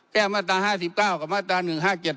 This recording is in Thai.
แก้มาตรา๕๙กับมาตรา๑๕๗